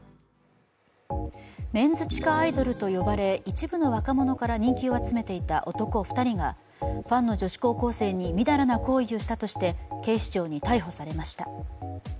メンズ地下アイドルと呼ばれ一部の若者から人気を集めていた男２人がファンの女子高校生にみだらな行為をしたとして警視庁に逮捕されました。